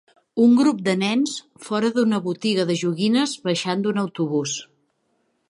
Un grup de nens fora d'una botiga de joguines baixant d'un autobús.